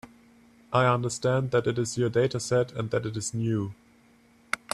I understand that it is your dataset, and that it is new.